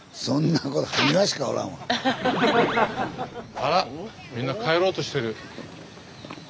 あらっみんな帰ろうとしてる。